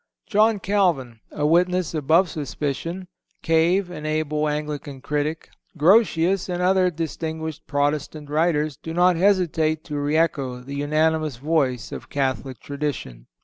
John Calvin, a witness above suspicion; Cave, an able Anglican critic; Grotius and other distinguished Protestant writers, do not hesitate to re echo the unanimous voice of Catholic tradition.